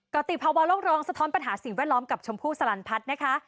ติภาวะโลกร้องสะท้อนปัญหาสิ่งแวดล้อมกับชมพู่สลันพัฒน์นะคะ